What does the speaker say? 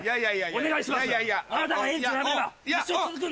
お願いしますよ！